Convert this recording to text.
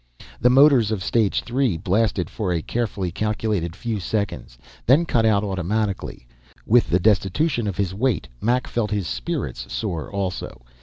The motors of stage three blasted for a carefully calculated few seconds, then cut out automatically. With the destitution of his weight, Mac felt his spirits soar also.